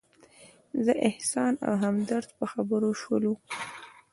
زه، احسان او همدرد په خبرو شولو.